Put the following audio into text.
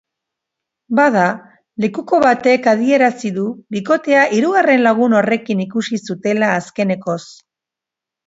Bada, lekuko batek adierazi du bikotea hirugarren lagun horrekin ikusi zutela azkenekoz.